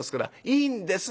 いいんです。